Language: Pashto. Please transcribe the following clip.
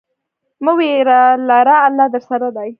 مه ویره لره، الله درسره دی.